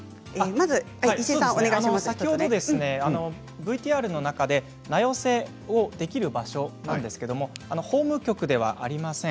先ほどＶＴＲの中で名寄せをできる場所について法務局ではありません。